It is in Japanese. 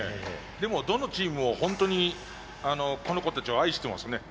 でもどのチームもホントにこの子たちを愛してますね。